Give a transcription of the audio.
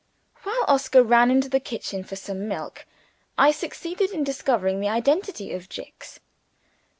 While Oscar ran into the kitchen for some milk, I succeeded in discovering the identity of "Jicks."